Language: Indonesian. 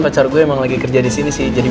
pacar gue nogoban dailah ini